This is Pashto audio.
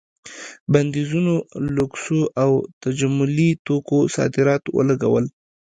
بندیزونو لوکسو او تجملي توکو صادراتو ولګول.